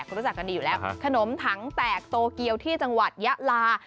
ก็รู้จักกันดีอยู่แล้วขนมถังแตกโตเกียวที่จังหวัดยะลา